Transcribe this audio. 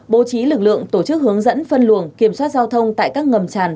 bố trí lực lượng tổ chức hướng dẫn phân luồng kiểm soát giao thông tại các ngầm tràn